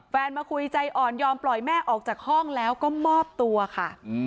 มาคุยใจอ่อนยอมปล่อยแม่ออกจากห้องแล้วก็มอบตัวค่ะ